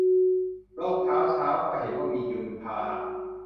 โรคเท้าช้าง ก็เห็นว่ามียุงเป็นพาหะ